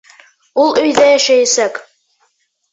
Ул өйҙә йәшәйәсәк!